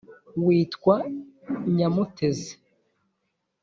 witwa Nyamutezi.